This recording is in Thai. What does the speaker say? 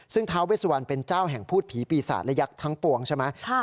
ซึ่งท้าเวสวันเป็นเจ้าแห่งพูดผีปีศาจและยักษ์ทั้งปวงใช่ไหม